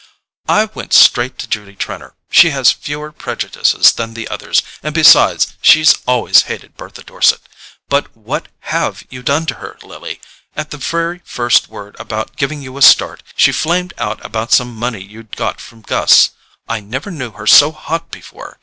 "I went straight to Judy Trenor; she has fewer prejudices than the others, and besides she's always hated Bertha Dorset. But what HAVE you done to her, Lily? At the very first word about giving you a start she flamed out about some money you'd got from Gus; I never knew her so hot before.